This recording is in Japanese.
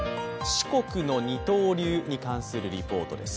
四国の二刀流に関するリポートです。